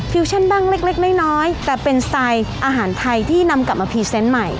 ชั่นบ้างเล็กน้อยแต่เป็นสไตล์อาหารไทยที่นำกลับมาพรีเซนต์ใหม่